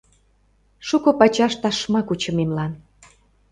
Шуко пачаш ташма кучымемлан.